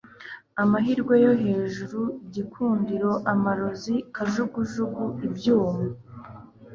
amahirwe-yo hejuru--igikundiro amarozi-kajugujugu-ibyuma